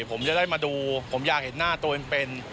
ผมจะได้มาดูผมอยากเห็นหน้าตัวเองเป็น